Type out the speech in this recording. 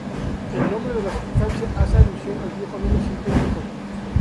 El nombre de la sustancia hace alusión al viejo nombre científico.